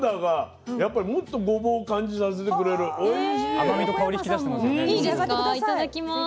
甘みと香り引き出してますよね。